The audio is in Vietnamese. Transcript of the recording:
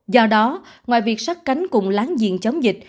do đó ngoài việc sát cánh cùng láng giềng chống dịch